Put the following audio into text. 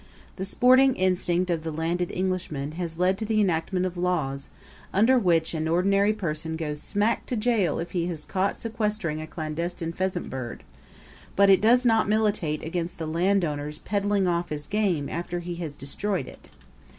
The sporting instinct of the landed Englishman has led to the enactment of laws under which an ordinary person goes smack to jail if he is caught sequestrating a clandestine pheasant bird; but it does not militate against the landowner's peddling off his game after he has destroyed it.